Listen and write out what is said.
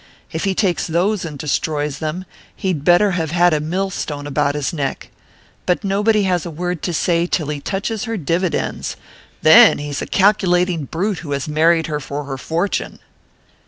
If he takes those and destroys them, he'd better have had a mill stone about his neck. But nobody has a word to say till he touches her dividends then he's a calculating brute who has married her for her fortune!"